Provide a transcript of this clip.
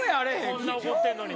こんな怒ってんのに！